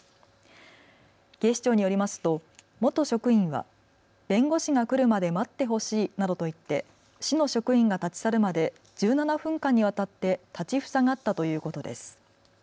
警視庁によりますと元職員は弁護士が来るまで待ってほしいなどと言って市の職員が立ち去るまで１７分間にわたって立ちふさがったということです。